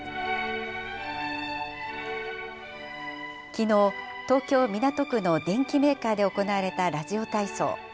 きのう、東京・港区の電機メーカーで行われたラジオ体操。